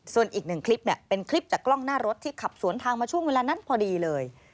ส่วนอีกหนึ่งคลิปเนี่ยเป็นคลิปจากกล้องหน้ารถที่ขับสวนทางมาช่วงเวลานั้นพอดีเลย